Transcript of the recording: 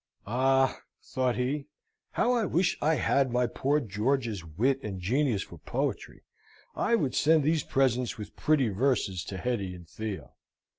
"Ah!" thought he, "how I wish I had my poor George's wit, and genius for poetry! I would send these presents with pretty verses to Hetty and Theo.